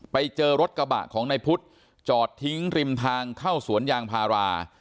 ไปเจอรถกระบะของนายพุทธจอดทิ้งริมทางเข้าสวนยางพารา